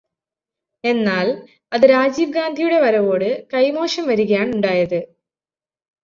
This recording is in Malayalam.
എന്നാൽ, അത് രാജീവ് ഗാന്ധിയുടെ വരവോട് കൈമോശം വരികയാണുണ്ടായത്.